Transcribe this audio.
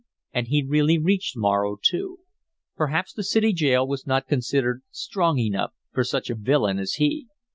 And he really reached Morro, too. Perhaps the city jail was not considered strong enough for such a villain as he.